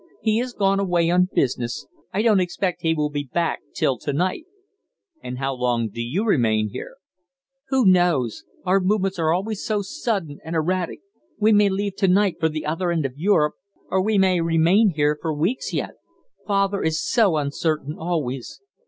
"He has gone away on business. I don't expect he will be back till to night." "And how long do you remain here?" "Who knows? Our movements are always so sudden and erratic. We may leave to night for the other end of Europe, or we may remain here for weeks yet. Father is so uncertain always."